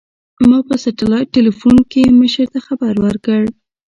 ما په سټلايټ ټېلفون کښې مشر ته خبر ورکړ.